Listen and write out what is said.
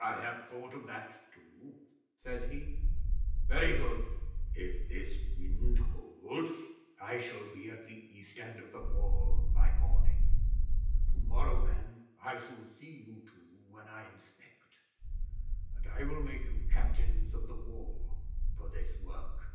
'"I have thought of that too," said he. "Very good. If this wind holds, I shall be at the East end of the Wall by morning. To morrow, then, I shall see you two when I inspect, and I will make you Captains of the Wall for this work."